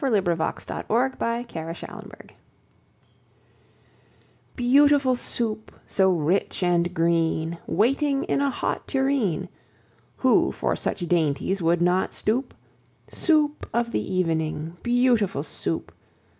] Lewis Carroll Beautiful Soup BEAUTIFUL Soup, so rich and green, Waiting in a hot tureen! Who for such dainties would not stoop? Soup of the evening, beautiful Soup!